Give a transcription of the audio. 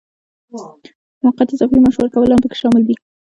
موقت اضافي معاش ورکول هم پکې شامل دي.